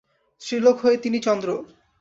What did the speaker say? স্ত্রীলোক হয়ে তিনি– চন্দ্র।